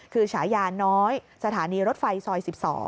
คือฉายาน้อยสถานีรถไฟซอย๑๒